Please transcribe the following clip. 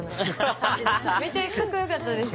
めちゃかっこよかったです。